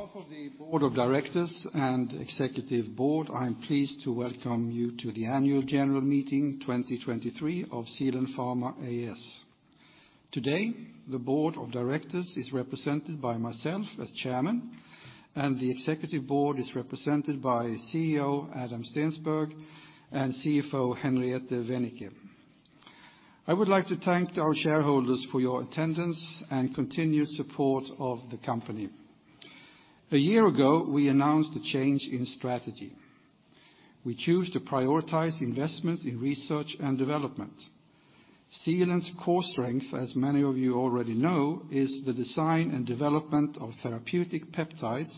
On behalf of the Board of Director and Executive Board, I am pleased to welcome you to the Annual General Meeting 2023 of Zealand Pharma A/S. Today, the Board of Director is represented by myself as Chairman, and the Executive Board is represented by CEO Adam Steensberg and CFO Henriette Wennicke. I would like to thank our shareholders for your attendance and continued support of the company. A year ago, we announced a change in strategy. We chose to prioritize investments in research and development. Zealand's core strength, as many of you already know, is the design and development of therapeutic peptides,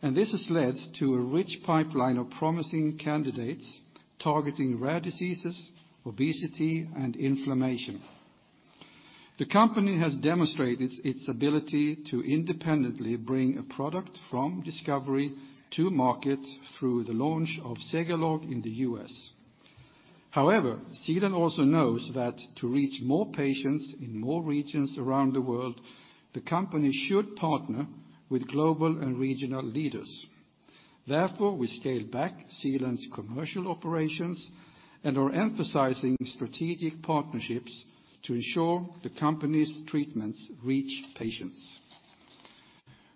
and this has led to a rich pipeline of promising candidates targeting rare diseases, obesity, and inflammation. The company has demonstrated its ability to independently bring a product from discovery to market through the launch of Zegalogue in the US. However, Zealand also knows that to reach more patients in more regions around the world, the company should partner with global and regional leaders. Therefore, we scaled back Zealand's commercial operations and are emphasizing strategic partnerships to ensure the company's treatments reach patients.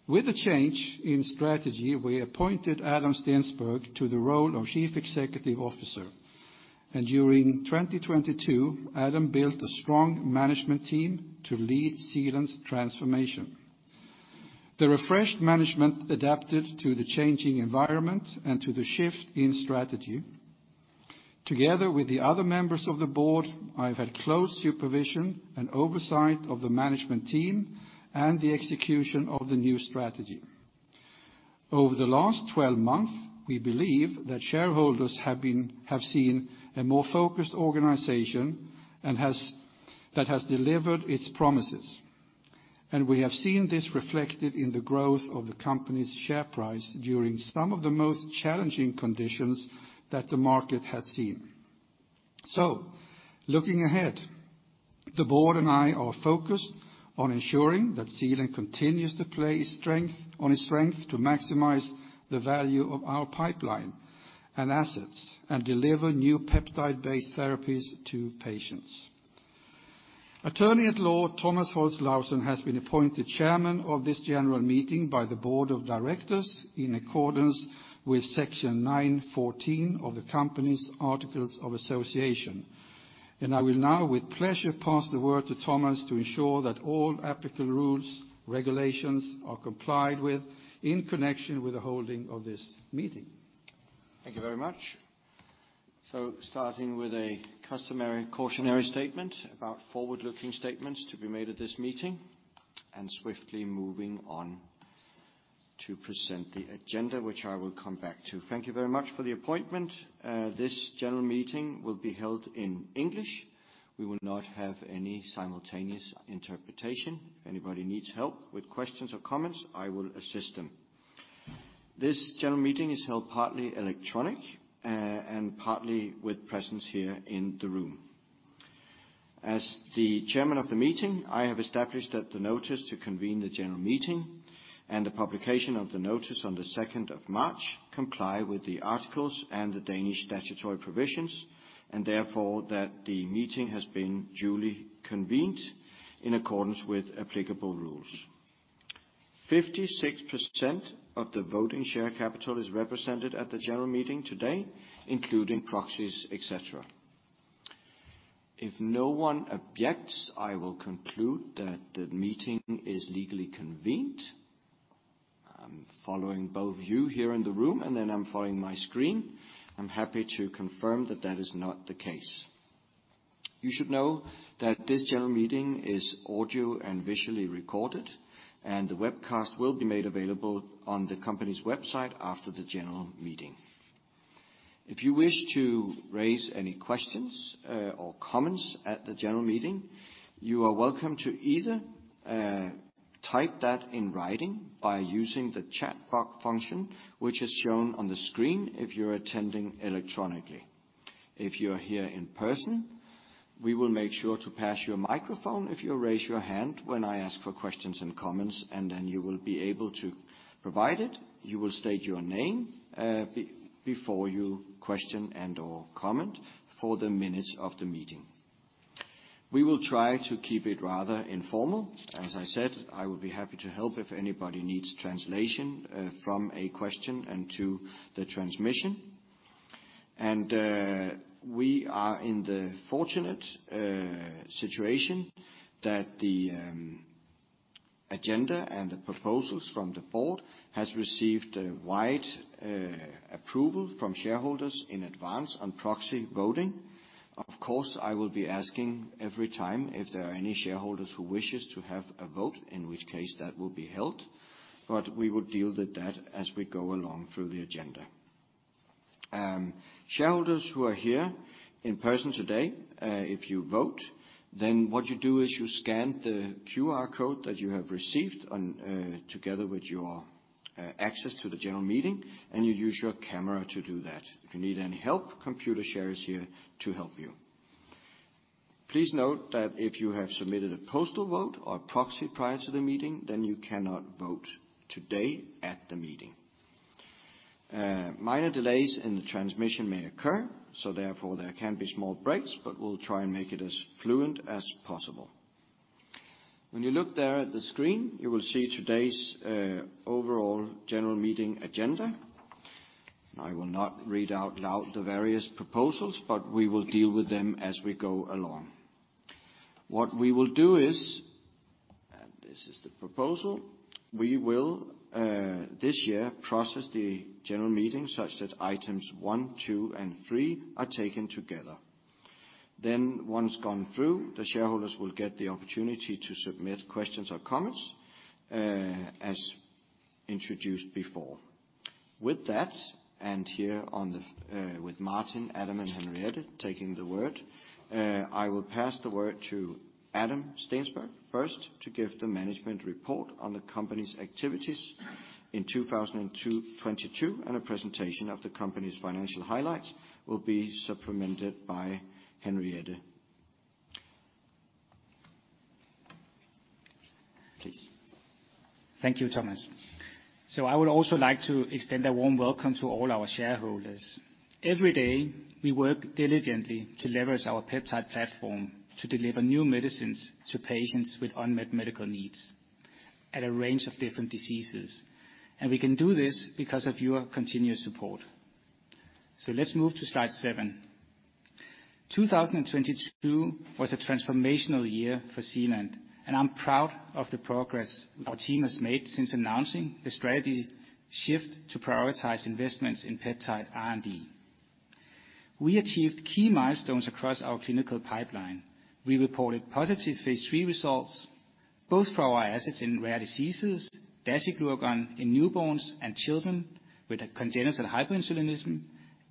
With the change in strategy, we appointed Adam Steensberg to the role of Chief Executive Officer, and during 2022, Adam built a strong management team to lead Zealand's transformation. The refreshed management adapted to the changing environment and to the shift in strategy. Together with the other members of the board, I've had close supervision and oversight of the management team and the execution of the new strategy. Over the last 12 months, we believe that shareholders have seen a more focused organization that has delivered its promises, and we have seen this reflected in the growth of the company's share price during some of the most challenging conditions that the market has seen. So, looking ahead, the board and I are focused on ensuring that Zealand continues to play its strength to maximize the value of our pipeline and assets and deliver new peptide-based therapies to patients. Attorney at Law Thomas Holst Laursen has been appointed Chairman of this General Meeting by the Board of Director in accordance with Section 914 of the company's Articles of Association, and I will now, with pleasure, pass the word to Thomas to ensure that all applicable rules and regulations are complied with in connection with the holding of this meeting. Thank you very much. So, starting with a cautionary statement about forward-looking statements to be made at this meeting and swiftly moving on to present the agenda, which I will come back to. Thank you very much for the appointment. This General Meeting will be held in English. We will not have any simultaneous interpretation. If anybody needs help with questions or comments, I will assist them. This General Meeting is held partly electronic and partly with presence here in the room. As the Chairman of the Meeting, I have established that the notice to convene the General Meeting and the publication of the notice on the 2nd of March comply with the articles and the Danish statutory provisions, and therefore that the meeting has been duly convened in accordance with applicable rules. 56% of the voting share capital is represented at the General Meeting today, including proxies, etc. If no one objects, I will conclude that the meeting is legally convened. I'm following both of you here in the room, and then I'm following my screen. I'm happy to confirm that that is not the case. You should know that this General Meeting is audio and visually recorded, and the webcast will be made available on the company's website after the General Meeting. If you wish to raise any questions or comments at the General Meeting, you are welcome to either type that in writing by using the chat function, which is shown on the screen if you're attending electronically. If you're here in person, we will make sure to pass you a microphone if you raise your hand when I ask for questions and comments, and then you will be able to provide it. You will state your name before your question and/or comment for the minutes of the meeting. We will try to keep it rather informal. As I said, I will be happy to help if anybody needs translation from a question and to the translation, and we are in the fortunate situation that the agenda and the proposals from the board have received wide approval from shareholders in advance on proxy voting. Of course, I will be asking every time if there are any shareholders who wish to have a vote, in which case that will be held, but we will deal with that as we go along through the agenda. Shareholders who are here in person today, if you vote, then what you do is you scan the QR code that you have received together with your access to the General Meeting, and you use your camera to do that. If you need any help, Computershare is here to help you. Please note that if you have submitted a postal vote or a proxy prior to the meeting, then you cannot vote today at the meeting. Minor delays in the transmission may occur, so therefore there can be small breaks, but we'll try and make it as fluent as possible. When you look there at the screen, you will see today's overall General Meeting agenda. I will not read out loud the various proposals, but we will deal with them as we go along. What we will do is, and this is the proposal, we will this year process the General Meeting such that items one, two, and three are taken together. Then, once gone through, the shareholders will get the opportunity to submit questions or comments as introduced before. With that, and here with Martin, Adam, and Henriette taking the word, I will pass the word to Adam Steensberg first to give the management report on the company's activities in 2022 and a presentation of the company's financial highlights will be supplemented by Henriette. Please. Thank you, Thomas. So I would also like to extend a warm welcome to all our shareholders. Every day, we work diligently to leverage our peptide platform to deliver new medicines to patients with unmet medical needs at a range of different diseases, and we can do this because of your continuous support. So let's move to slide seven. 2022 was a transformational year for Zealand, and I'm proud of the progress our team has made since announcing the strategy shift to prioritize investments in peptide R&D. We achieved key milestones across our clinical pipeline. We reported positive Phase 3 results both for our assets in rare diseases, dasiglucagon in newborns and children with congenital hyperinsulinism,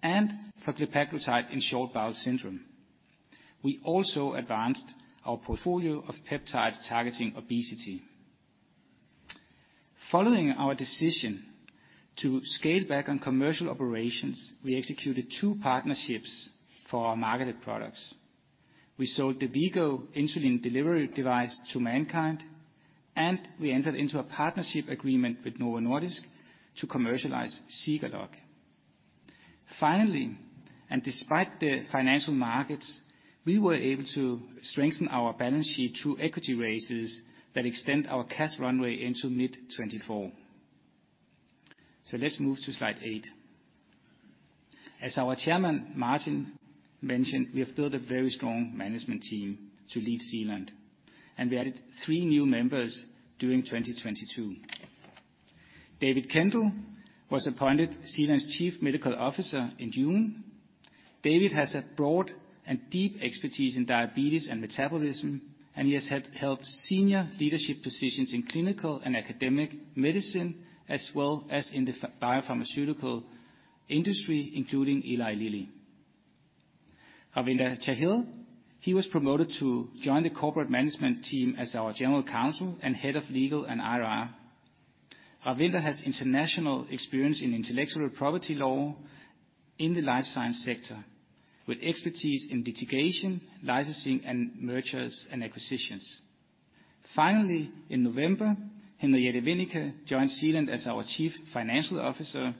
and for glepaglutide in short bowel syndrome. We also advanced our portfolio of peptides targeting obesity. Following our decision to scale back on commercial operations, we executed two partnerships for our marketed products. We sold the V-Go insulin delivery device to MannKind, and we entered into a partnership agreement with Novo Nordisk to commercialize Zegalogue. Finally, and despite the financial markets, we were able to strengthen our balance sheet through equity raises that extend our cash runway into mid-2024. So let's move to slide eight. As our Chairman, Martin, mentioned, we have built a very strong management team to lead Zealand, and we added three new members during 2022. David Kendall was appointed Zealand's Chief Medical Officer in June. David has a broad and deep expertise in diabetes and metabolism, and he has held senior leadership positions in clinical and academic medicine as well as in the biopharmaceutical industry, including Eli Lilly. Ravinder Chahil, he was promoted to join the corporate management team as our General Counsel and Head of Legal and IR. Ravinder has international experience in intellectual property law in the life science sector with expertise in litigation, licensing, and mergers and acquisitions. Finally, in November, Henriette Wennicke joined Zealand as our Chief Financial Officer,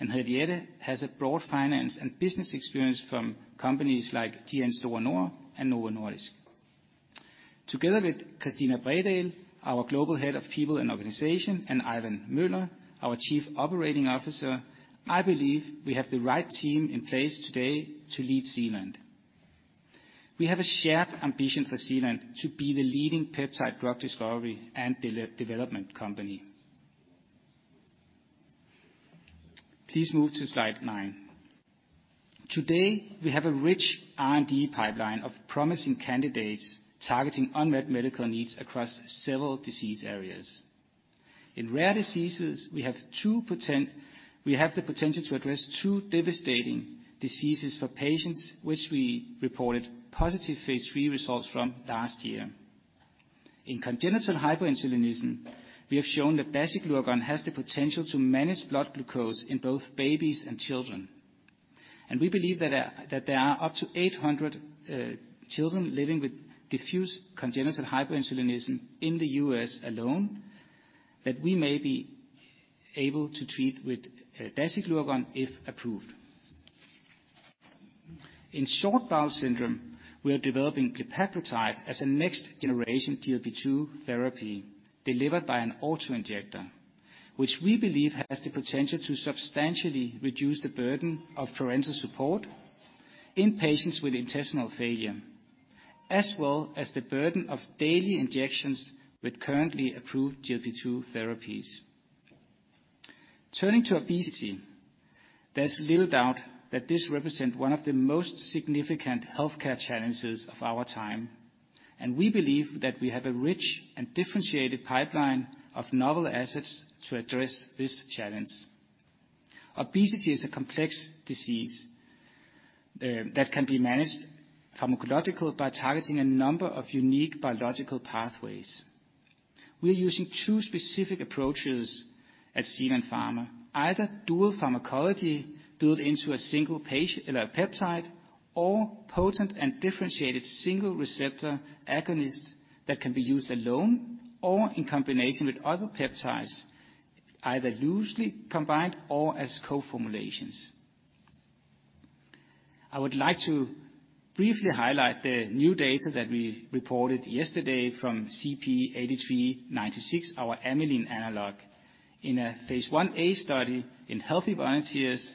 and Henriette has a broad finance and business experience from companies like GN Store Nord and Novo Nordisk. Together with Christina Bredahl, our Global Head of People and Organization, and Ivan Møller, our Chief Operating Officer, I believe we have the right team in place today to lead Zealand. We have a shared ambition for Zealand to be the leading peptide drug discovery and development company. Please move to slide nine. Today, we have a rich R&D pipeline of promising candidates targeting unmet medical needs across several disease areas. In rare diseases, we have the potential to address two devastating diseases for patients, which we reported positive phase three results from last year. In congenital hyperinsulinism, we have shown that dasiglucagon has the potential to manage blood glucose in both babies and children, and we believe that there are up to 800 children living with diffuse congenital hyperinsulinism in the U.S. alone that we may be able to treat with dasiglucagon if approved. In short bowel syndrome, we are developing glepaglutide as a next-generation GLP-2 therapy delivered by an autoinjector, which we believe has the potential to substantially reduce the burden of parental support in patients with intestinal failure, as well as the burden of daily injections with currently approved GLP-2 therapies. Turning to obesity, there's little doubt that this represents one of the most significant healthcare challenges of our time, and we believe that we have a rich and differentiated pipeline of novel assets to address this challenge. Obesity is a complex disease that can be managed pharmacologically by targeting a number of unique biological pathways. We are using two specific approaches at Zealand Pharma: either dual pharmacology built into a single peptide or potent and differentiated single receptor agonist that can be used alone or in combination with other peptides, either loosely combined or as co-formulations. I would like to briefly highlight the new data that we reported yesterday from CP8396, our amylin analog. In a Phase 1a study in healthy volunteers,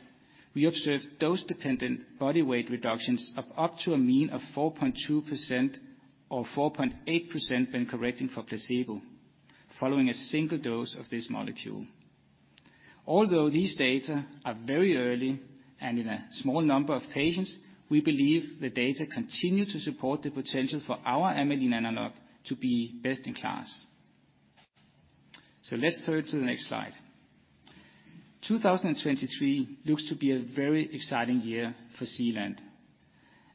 we observed dose-dependent body weight reductions of up to a mean of 4.2% or 4.8% when correcting for placebo following a single dose of this molecule. Although these data are very early and in a small number of patients, we believe the data continue to support the potential for our amylin analog to be best in class. So let's turn to the next slide. 2023 looks to be a very exciting year for Zealand,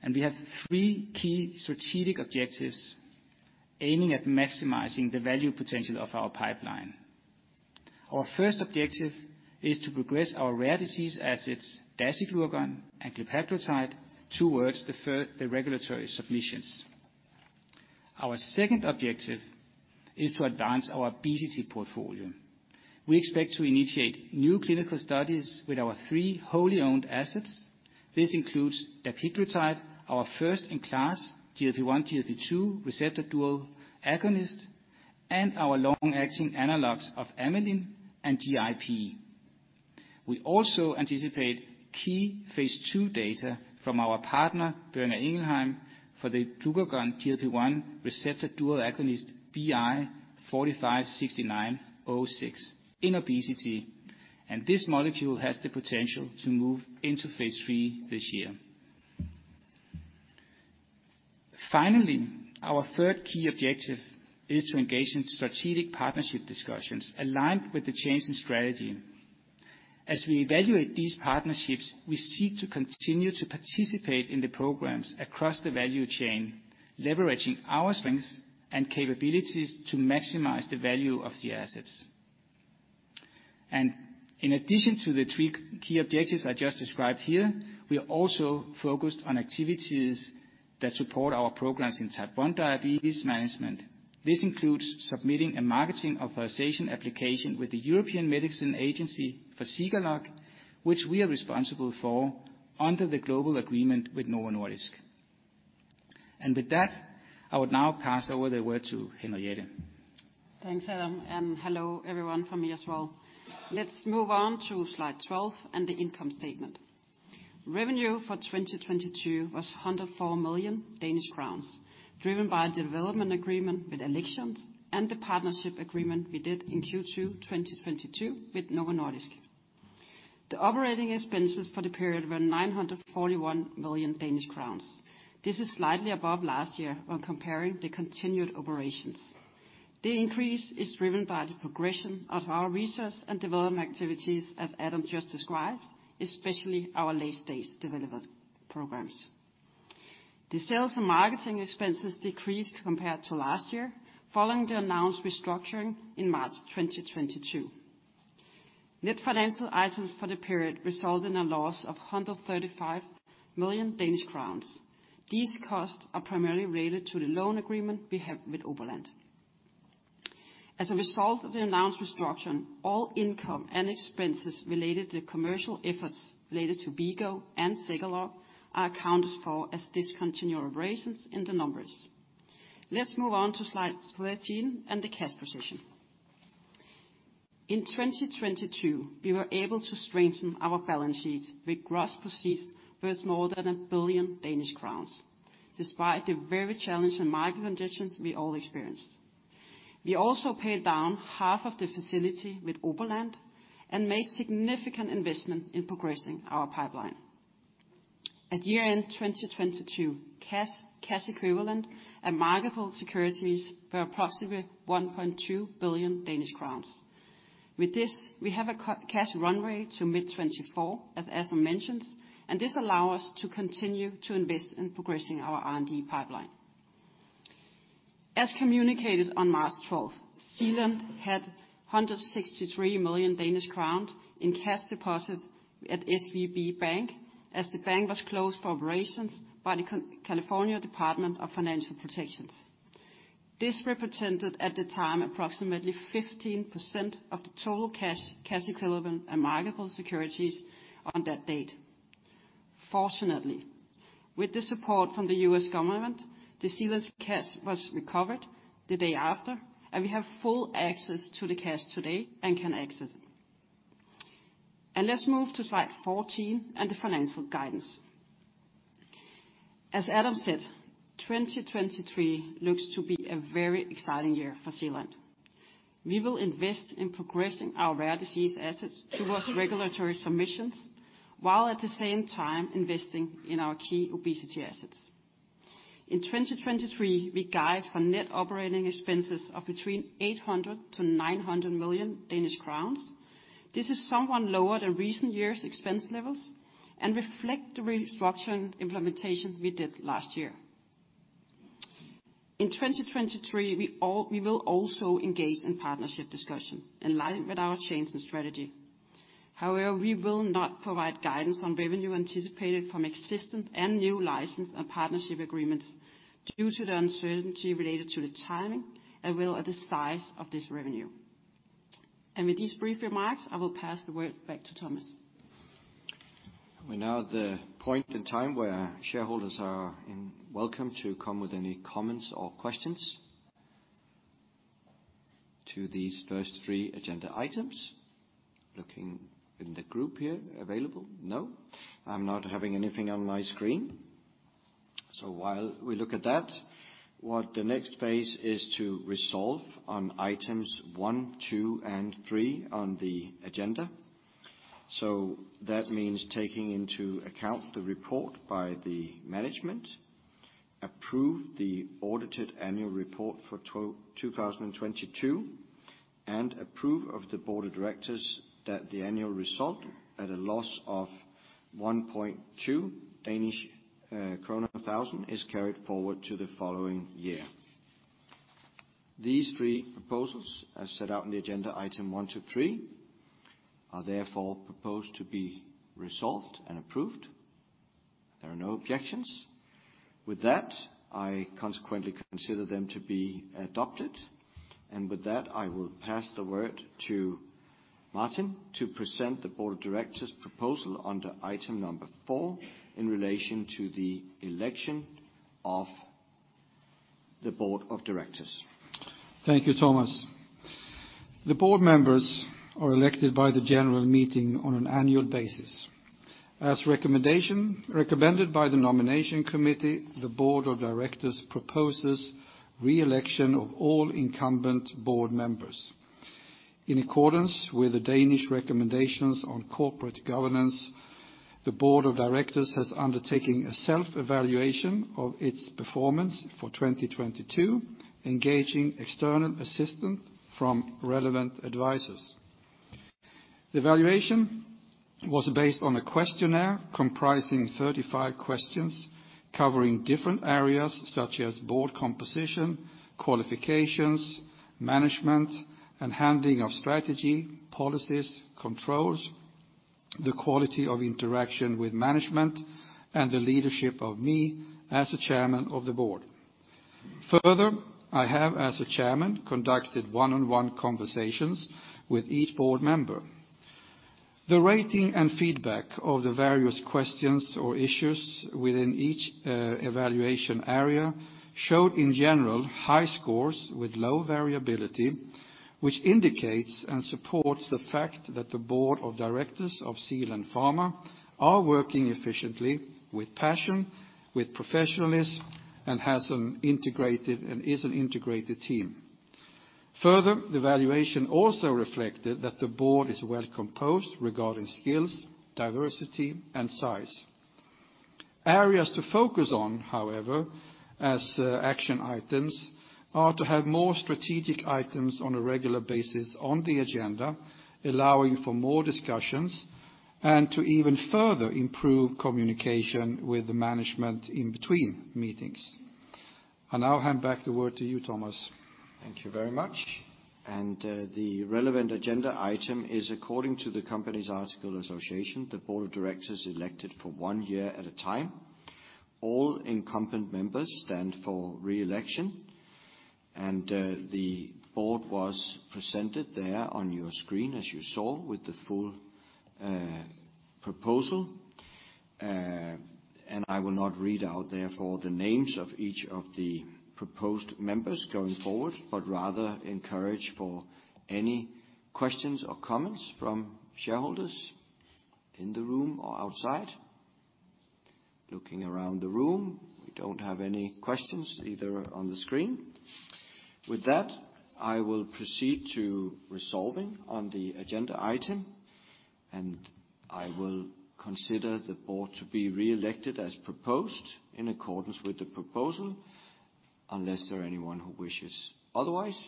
and we have three key strategic objectives aiming at maximizing the value potential of our pipeline. Our first objective is to progress our rare disease assets, dasiglucagon and glepaglutide, towards the regulatory submissions. Our second objective is to advance our obesity portfolio. We expect to initiate new clinical studies with our three wholly owned assets. This includes dapiglutide, our first-in-class GLP-1, GLP-2 receptor dual agonist, and our long-acting analogs of amylin and GIP. We also anticipate key Phase 2 data from our partner, Boehringer Ingelheim, for the glucagon GLP-1 receptor dual agonist BI 456906 in obesity, and this molecule has the potential to move into phase three this year. Finally, our third key objective is to engage in strategic partnership discussions aligned with the change in strategy. As we evaluate these partnerships, we seek to continue to participate in the programs across the value chain, leveraging our strengths and capabilities to maximize the value of the assets, and in addition to the three key objectives I just described here, we are also focused on activities that support our programs in type 1 diabetes management. This includes submitting a marketing authorization application with the European Medicines Agency for Zegalogue, which we are responsible for under the global agreement with Novo Nordisk, and with that, I would now pass over the word to Henriette. Thanks, Adam, and hello everyone from me as well. Let's move on to slide 12 and the income statement. Revenue for 2022 was 104 million Danish crowns, driven by a development agreement with Alexion and the partnership agreement we did in Q2 2022 with Novo Nordisk. The operating expenses for the period were 941 million Danish crowns. This is slightly above last year when comparing the continued operations. The increase is driven by the progression of our research and development activities, as Adam just described, especially our late-stage development programs. The sales and marketing expenses decreased compared to last year following the announced restructuring in March 2022. Net financial items for the period resulted in a loss of 135 million Danish crowns. These costs are primarily related to the loan agreement we have with Oberland. As a result of the announced restructuring, all income and expenses related to commercial efforts related to V-Go and Zegalogue are accounted for as discontinuous operations in the numbers. Let's move on to slide 13 and the cash position. In 2022, we were able to strengthen our balance sheet with gross proceeds worth more than 1 billion Danish crowns, despite the very challenging market conditions we all experienced. We also paid down half of the facility with Oberland and made significant investment in progressing our pipeline. At year-end 2022, cash equivalents and marketable securities were approximately 1.2 billion Danish crowns. With this, we have a cash runway to mid-2024, as Adam mentioned, and this allows us to continue to invest in progressing our R&D pipeline. As communicated on March 12, Zealand had 163 million Danish crowns in cash deposits at SVB Bank as the bank was closed for operations by the California Department of Financial Protection and Innovation. This represented at the time approximately 15% of the total cash equivalents and marketable securities on that date. Fortunately, with the support from the U.S. government, the Zealand cash was recovered the day after, and we have full access to the cash today and can use it. Let's move to slide 14 and the financial guidance. As Adam said, 2023 looks to be a very exciting year for Zealand. We will invest in progressing our rare disease assets towards regulatory submissions while at the same time investing in our key obesity assets. In 2023, we guide for net operating expenses of between 800 million to 900 million Danish crowns. This is somewhat lower than recent years' expense levels and reflects the restructuring implementation we did last year. In 2023, we will also engage in partnership discussion in line with our change in strategy. However, we will not provide guidance on revenue anticipated from existing and new license and partnership agreements due to the uncertainty related to the timing as well as the size of this revenue. And with these brief remarks, I will pass the word back to Thomas. We're now at the point in time where shareholders are welcome to come with any comments or questions to these first three agenda items. Looking in the group here, available? No. I'm not having anything on my screen. So while we look at that, what the next phase is to resolve on items one, two, and three on the agenda. So that means taking into account the report by the management, approve the audited annual report for 2022, and approve of the Board of Director that the annual result at a loss of 1.2 Danish krone a thousand is carried forward to the following year. These three proposals, as set out in the agenda item one to three, are therefore proposed to be resolved and approved. There are no objections. With that, I consequently consider them to be adopted. With that, I will pass the word to Martin to present the Board of Director' proposal under item number four in relation to the election of the Board of Director. Thank you, Thomas. The board members are elected by the general meeting on an annual basis. As recommended by the nomination committee, the Board of Director proposes re-election of all incumbent board members. In accordance with the Danish recommendations on corporate governance, the Board of Director has undertaken a self-evaluation of its performance for 2022, engaging external assistance from relevant advisors. The evaluation was based on a questionnaire comprising 35 questions covering different areas such as board composition, qualifications, management, and handling of strategy, policies, controls, the quality of interaction with management, and the leadership of me as a chairman of the board. Further, I have, as a chairman, conducted one-on-one conversations with each board member. The rating and feedback of the various questions or issues within each evaluation area showed, in general, high scores with low variability, which indicates and supports the fact that the Board of Director of Zealand Pharma are working efficiently, with passion, with professionalism, and is an integrated team. Further, the evaluation also reflected that the board is well composed regarding skills, diversity, and size. Areas to focus on, however, as action items, are to have more strategic items on a regular basis on the agenda, allowing for more discussions, and to even further improve communication with the management in between meetings. I now hand back the word to you, Thomas. Thank you very much. The relevant agenda item is, according to the company's articles of association, the Board of Director elected for one year at a time. All incumbent members stand for re-election. The board was presented there on your screen, as you saw, with the full proposal. I will not read out, therefore, the names of each of the proposed members going forward, but rather encourage any questions or comments from shareholders in the room or outside. Looking around the room, we don't have any questions either on the screen. With that, I will proceed to resolution on the agenda item, and I will consider the board to be re-elected as proposed in accordance with the proposal, unless there is anyone who wishes otherwise.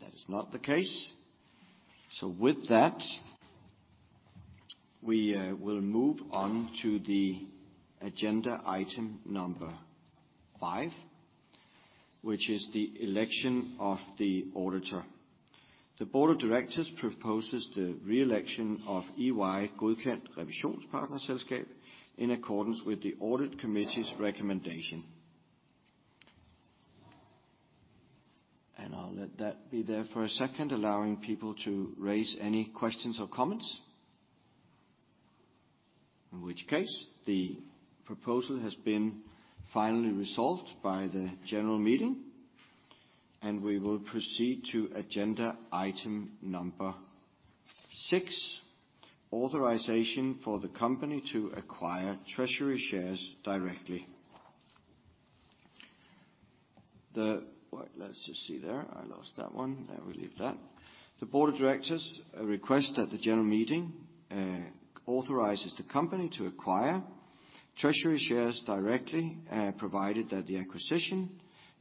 That is not the case. So with that, we will move on to the agenda item number five, which is the election of the auditor. The Board of Director proposes the re-election of EY Godkendt Revisionspartnerselskab in accordance with the audit committee's recommendation. And I'll let that be there for a second, allowing people to raise any questions or comments. In which case, the proposal has been finally resolved by the general meeting, and we will proceed to agenda item number six, authorization for the company to acquire treasury shares directly. Let's just see there. I lost that one. I will leave that. The Board of Director requests that the general meeting authorizes the company to acquire treasury shares directly, provided that the acquisition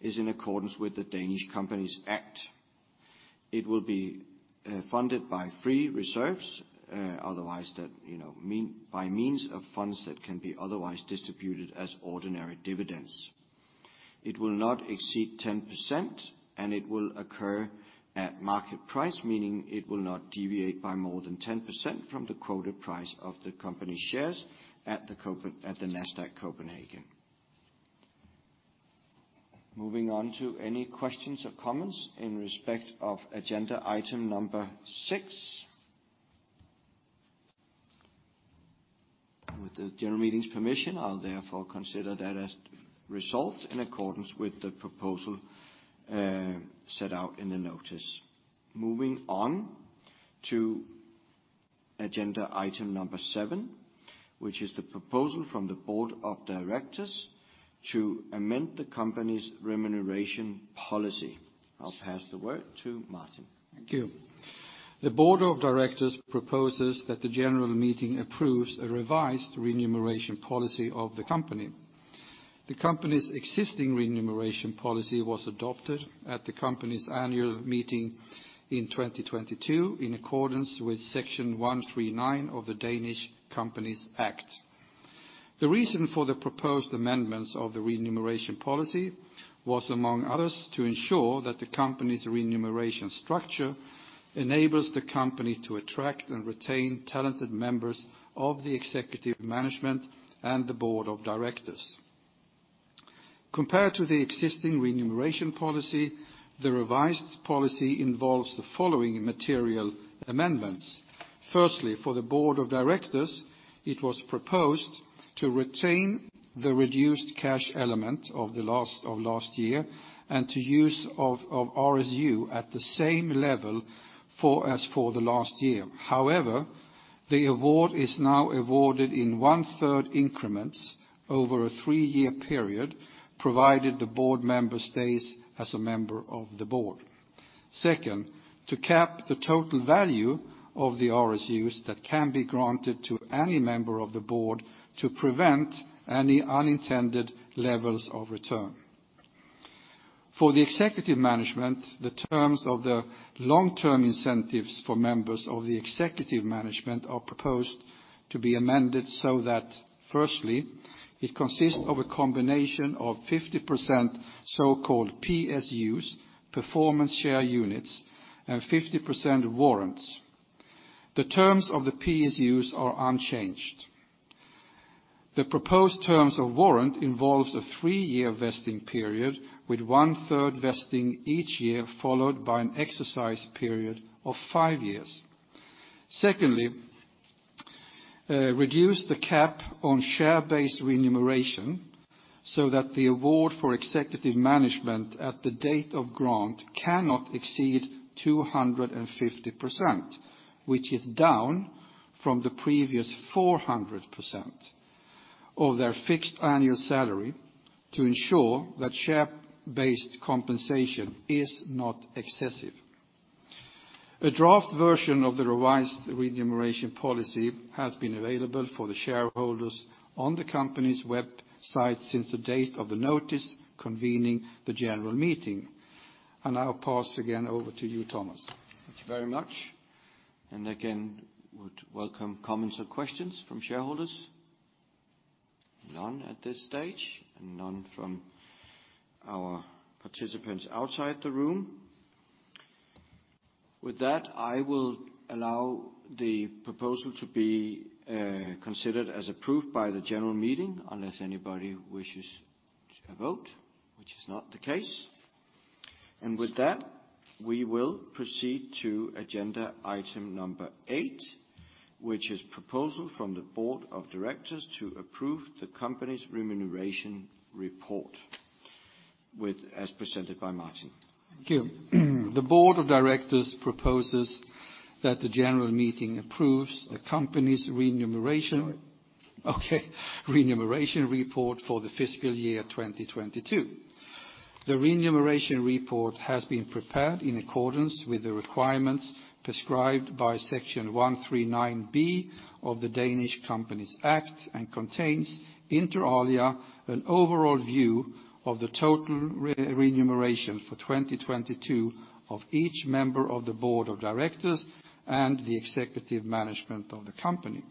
is in accordance with the Danish Companies Act. It will be funded by free reserves, otherwise that by means of funds that can be otherwise distributed as ordinary dividends. It will not exceed 10%, and it will occur at market price, meaning it will not deviate by more than 10% from the quoted price of the company's shares at the NASDAQ Copenhagen. Moving on to any questions or comments in respect of agenda item number six. With the general meeting's permission, I'll therefore consider that as resolved in accordance with the proposal set out in the notice. Moving on to agenda item number seven, which is the proposal from the Board of Director to amend the company's remuneration policy. I'll pass the word to Martin. Thank you. The Board of Director proposes that the general meeting approves a revised remuneration policy of the company. The company's existing remuneration policy was adopted at the company's annual meeting in 2022 in accordance with section 139 of the Danish Companies Act. The reason for the proposed amendments of the remuneration policy was, among others, to ensure that the company's remuneration structure enables the company to attract and retain talented members of the executive management and the Board of Director. Compared to the existing remuneration policy, the revised policy involves the following material amendments. Firstly, for the Board of Director, it was proposed to retain the reduced cash element of last year and to use of RSU at the same level as for the last year. However, the award is now awarded in one-third increments over a three-year period, provided the board member stays as a member of the board. Second, to cap the total value of the RSUs that can be granted to any member of the board to prevent any unintended levels of return. For the executive management, the terms of the long-term incentives for members of the executive management are proposed to be amended so that, firstly, it consists of a combination of 50% so-called PSUs, performance share units, and 50% warrants. The terms of the PSUs are unchanged. The proposed terms of warrant involves a three-year vesting period with one-third vesting each year, followed by an exercise period of five years. Secondly, reduce the cap on share-based remuneration so that the award for executive management at the date of grant cannot exceed 250%, which is down from the previous 400% of their fixed annual salary to ensure that share-based compensation is not excessive. A draft version of the revised remuneration policy has been available for the shareholders on the company's website since the date of the notice convening the general meeting. And I'll pass again over to you, Thomas. Thank you very much. And again, would welcome comments or questions from shareholders. None at this stage, and none from our participants outside the room. With that, I will allow the proposal to be considered as approved by the general meeting unless anybody wishes to vote, which is not the case. And with that, we will proceed to agenda item number eight, which is proposal from the Board of Director to approve the company's remuneration report as presented by Martin. Thank you. The Board of Director proposes that the general meeting approves the company's remuneration report for the fiscal year 2022. The remuneration report has been prepared in accordance with the requirements prescribed by section 139B of the Danish Companies Act and contains, inter alia, an overall view of the total remuneration for 2022 of each member of the Board of Director and the executive management of the company.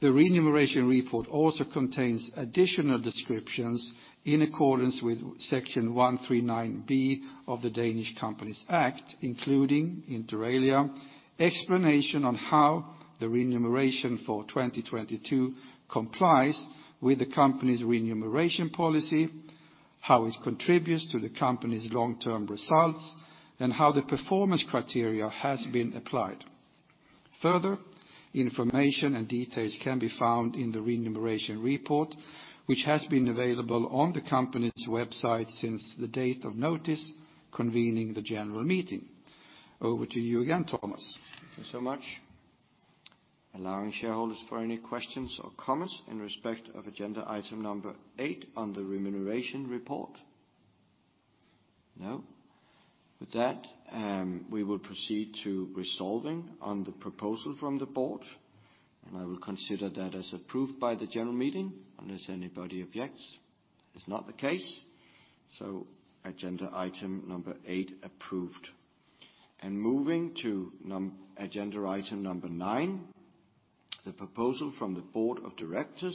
The remuneration report also contains additional descriptions in accordance with section 139B of the Danish Companies Act, including, inter alia, explanation on how the remuneration for 2022 complies with the company's remuneration policy, how it contributes to the company's long-term results, and how the performance criteria has been applied. Further, information and details can be found in the remuneration report, which has been available on the company's website since the date of notice convening the general meeting. Over to you again, Thomas. Thank you so much. Allowing shareholders for any questions or comments in respect of agenda item number eight on the remuneration report. No. With that, we will proceed to resolving on the proposal from the board, and I will consider that as approved by the general meeting unless anybody objects. That is not the case, so agenda item number eight approved, and moving to agenda item number nine, the proposal from the Board of Director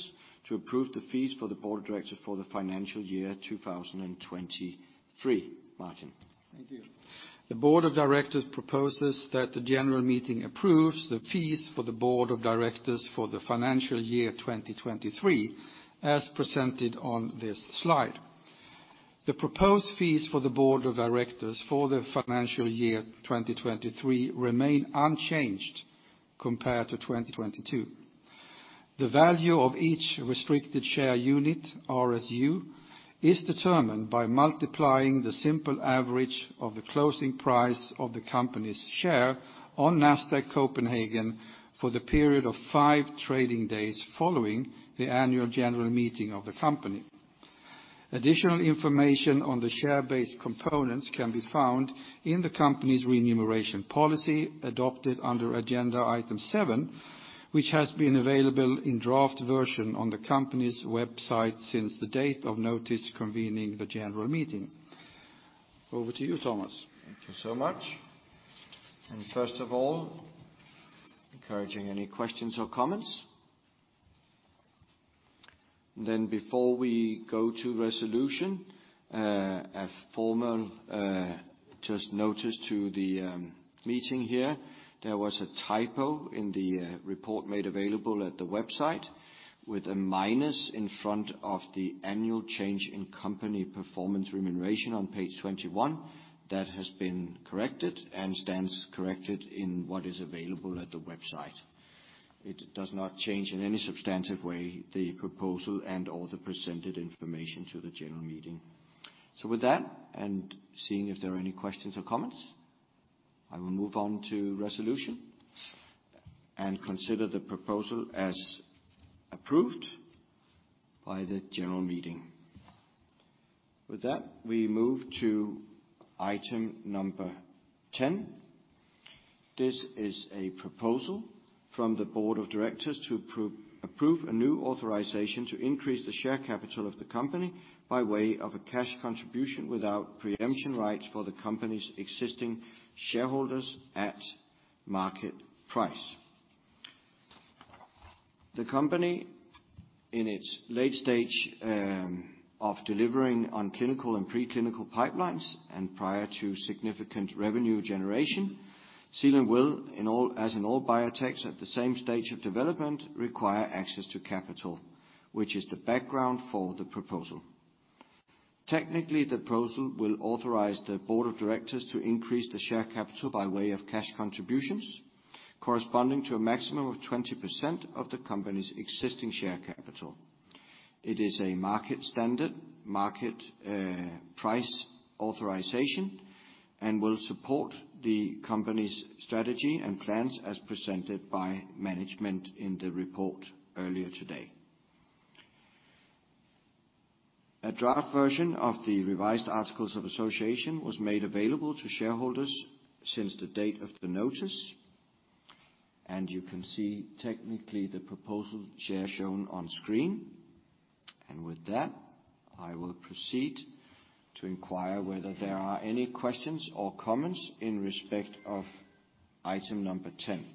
to approve the fees for the Board of Director for the financial year 2023. Martin. Thank you. The Board of Director proposes that the general meeting approves the fees for the Board of Director for the financial year 2023 as presented on this slide. The proposed fees for the Board of Director for the financial year 2023 remain unchanged compared to 2022. The value of each restricted share unit, RSU, is determined by multiplying the simple average of the closing price of the company's share on NASDAQ Copenhagen for the period of five trading days following the annual general meeting of the company. Additional information on the share-based components can be found in the company's remuneration policy adopted under agenda item seven, which has been available in draft version on the company's website since the date of notice convening the general meeting. Over to you, Thomas. Thank you so much. And first of all, encouraging any questions or comments. Then before we go to resolution, a formal just notice to the meeting here. There was a typo in the report made available at the website with a minus in front of the annual change in company performance remuneration on page 21. That has been corrected and stands corrected in what is available at the website. It does not change in any substantive way the proposal and all the presented information to the general meeting. So with that, and seeing if there are any questions or comments, I will move on to resolution and consider the proposal as approved by the general meeting. With that, we move to item number 10. This is a proposal from the Board of Director to approve a new authorization to increase the share capital of the company by way of a cash contribution without preemption rights for the company's existing shareholders at market price. The company, in its late stage of delivering on clinical and preclinical pipelines and prior to significant revenue generation, will, as in all biotechs, at the same stage of development, require access to capital, which is the background for the proposal. Technically, the proposal will authorize the Board of Director to increase the share capital by way of cash contributions corresponding to a maximum of 20% of the company's existing share capital. It is a market-standard, market-price authorization and will support the company's strategy and plans as presented by management in the report earlier today. A draft version of the revised articles of association was made available to shareholders since the date of the notice. And you can see technically the proposal share shown on screen. And with that, I will proceed to inquire whether there are any questions or comments in respect of item number 10,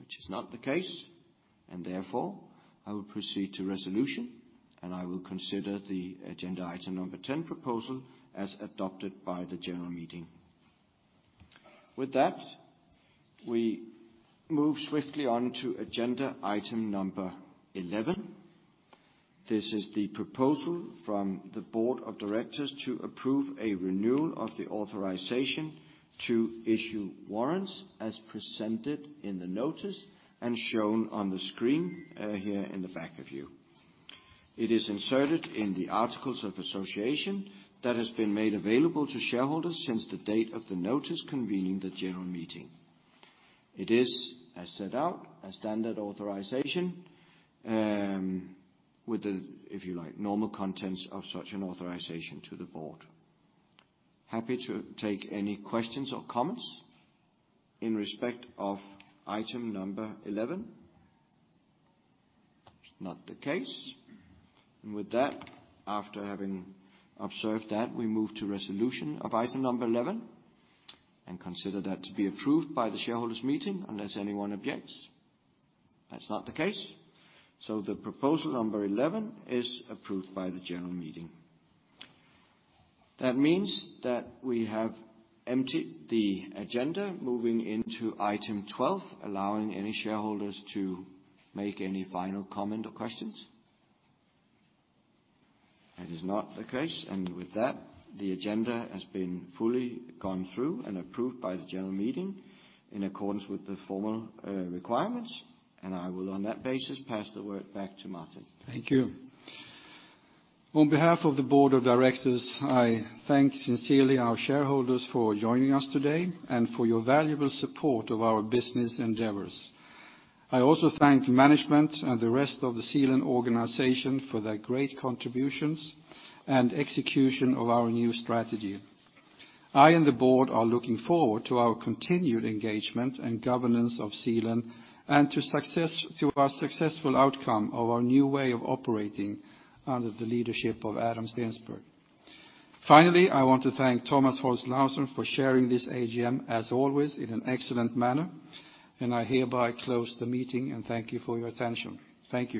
which is not the case. And therefore, I will proceed to resolution, and I will consider the agenda item number 10 proposal as adopted by the general meeting. With that, we move swiftly on to agenda item number 11. This is the proposal from the Board of Director to approve a renewal of the authorization to issue warrants as presented in the notice and shown on the screen here in the back of you. It is inserted in the articles of association that has been made available to shareholders since the date of the notice convening the general meeting. It is, as set out, a standard authorization with the, if you like, normal contents of such an authorization to the board. Happy to take any questions or comments in respect of item number 11. Not the case. And with that, after having observed that, we move to resolution of item number 11 and consider that to be approved by the shareholders' meeting unless anyone objects. That's not the case. So the proposal number 11 is approved by the general meeting. That means that we have emptied the agenda, moving into item 12, allowing any shareholders to make any final comment or questions. That is not the case. With that, the agenda has been fully gone through and approved by the general meeting in accordance with the formal requirements. I will, on that basis, pass the word back to Martin. Thank you. On behalf of the Board of Director, I thank sincerely our shareholders for joining us today and for your valuable support of our business endeavors. I also thank management and the rest of the Zealand organization for their great contributions and execution of our new strategy. I and the board are looking forward to our continued engagement and governance of Zealand and to our successful outcome of our new way of operating under the leadership of Adam Steensberg. Finally, I want to thank Thomas Holst Laursen for sharing this AGM, as always, in an excellent manner. And I hereby close the meeting and thank you for your attention. Thank you.